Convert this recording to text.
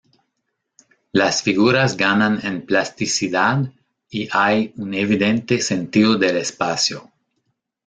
Las figuras ganan en plasticidad y hay un evidente "sentido del espacio".